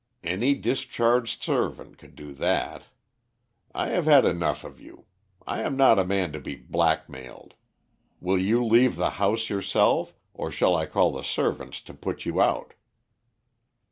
"Any discharged servant could do that. I have had enough of you. I am not a man to be black mailed. Will you leave the house yourself, or shall I call the servants to put you out?"